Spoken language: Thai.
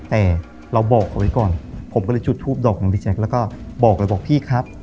แต่เราบอกเอาไว้ก่อนผมก็เลยจุดทูปดอกของพี่แจ๊คแล้วก็บอกเลยบอกพี่ครับ